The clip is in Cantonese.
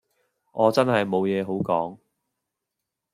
我真係冇嘢好講